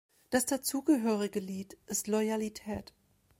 Das dazugehörige Lied ist "Loyalität".